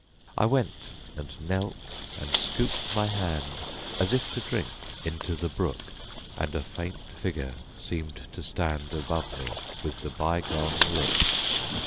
I went, and knelt, and scooped my hand As if to drink, into the brook, And a faint figure seemed to stand Above me, with the bygone look.